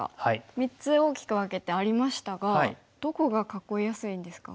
３つ大きく分けてありましたがどこが囲いやすいんですか一番。